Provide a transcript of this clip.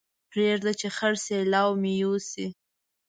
پرېږده چې خړ سېلاو مې يوسي